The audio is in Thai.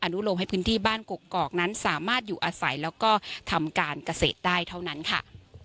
ลงให้พื้นที่บ้านกกอกนั้นสามารถอยู่อาศัยแล้วก็ทำการเกษตรได้เท่านั้นค่ะ